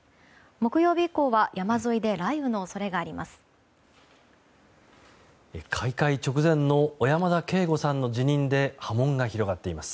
木曜日以降は山沿いで雷雨の恐れがあります。